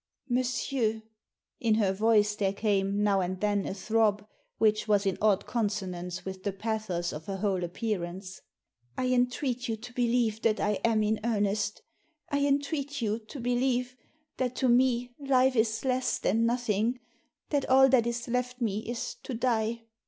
"Monsieur" — in her voice there came now and then a throb which was in odd consonance with the pathos of her whole appearance —'* I entreat you to believe that I am in earnest ; I entreat you to believe that to me life is less than nothing, tliat all that is left me is to die.